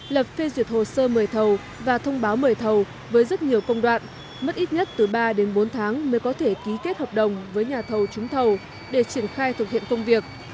lập phê duyệt hồ sơ mời thầu và thông báo mời thầu với rất nhiều công đoạn mất ít nhất từ ba đến bốn tháng mới có thể ký kết hợp đồng với nhà thầu trúng thầu để triển khai thực hiện công việc